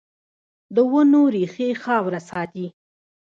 د ونو ریښې خاوره ساتي